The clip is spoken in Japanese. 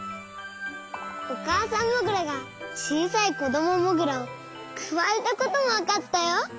おかあさんモグラがちいさいこどもモグラをくわえたこともわかったよ。